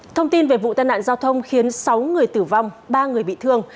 thông tin về vụ tai nạn giao thông khiến sáu người tử vong ba người bị thương